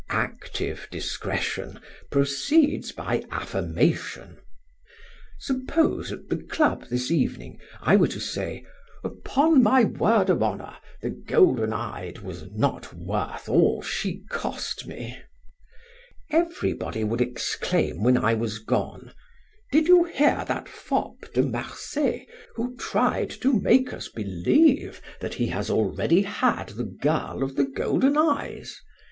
Active discretion proceeds by affirmation. Suppose at the club this evening I were to say: 'Upon my word of honor the golden eyed was not worth all she cost me!' Everybody would exclaim when I was gone: 'Did you hear that fop De Marsay, who tried to make us believe that he has already had the girl of the golden eyes?